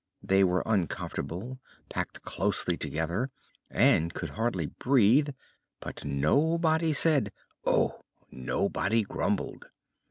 They were uncomfortable, packed closely together and could hardly breathe; but nobody said "Oh!" nobody grumbled.